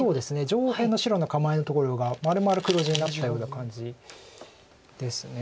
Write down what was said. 上辺の白の構えのところがまるまる黒地になったような感じです。